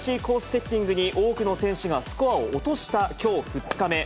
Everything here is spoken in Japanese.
セッティングに多くの選手がスコアを落とした、きょう２日目。